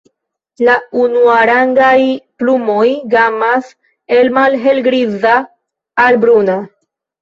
La unuarangaj plumoj gamas el malhelgriza al bruna.